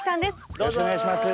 よろしくお願いします。